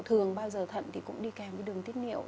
thường bao giờ thận thì cũng đi kèm với đường tiết niệu